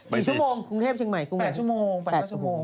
ไปที่๘ชั่วโมงไปก็ชั่วโมงอ่ะ